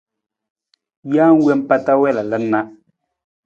Jee wompa ta wii lalan na.